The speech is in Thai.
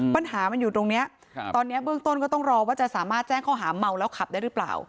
ปัญหามันอยู่ตรงนี้ตอนนี้เบื้องต้นก็ต้องรอว่าจะสามารถแจ้งข้อหาเมาแล้วขับได้หรือเปล่า